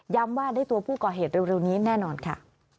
ว่าได้ตัวผู้ก่อเหตุเร็วนี้แน่นอนค่ะ